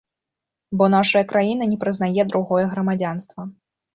Бо нашая краіна не прызнае другое грамадзянства.